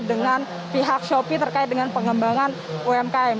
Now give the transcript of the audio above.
dengan pihak shopee terkait dengan pengembangan umkm